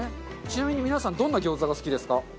ちなみに皆さんどんな餃子が好きですか？